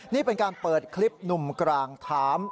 นี่เป็นการเปิดคลิปหนุ่มกลางถาม